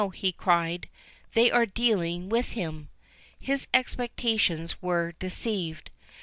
he cried; "they are dealing with him!" His expectations were deceived.